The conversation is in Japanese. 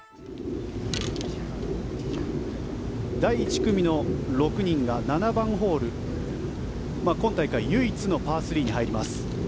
第１組の６人が７番ホール今大会唯一のパー３に入ります。